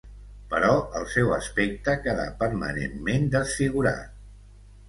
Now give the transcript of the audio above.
Però el seu aspecte quedà permanentment desfigurat.